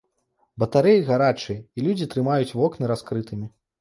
Батарэі гарачыя і людзі трымаюць вокны раскрытымі.